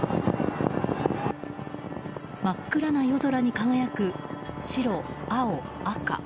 真っ暗な夜空に輝く白、青、赤。